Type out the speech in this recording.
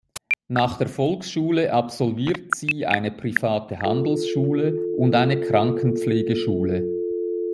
Nach der Volksschule absolviert sie eine private Handelsschule und eine Krankenpflegeschule.